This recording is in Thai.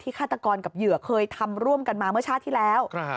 ฆาตกรกับเหยื่อเคยทำร่วมกันมาเมื่อชาติที่แล้ว